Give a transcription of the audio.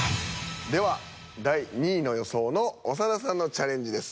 では第２位の予想の長田さんのチャレンジです。